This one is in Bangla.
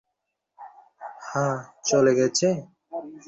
হ্যাঁ - চলে গেছে?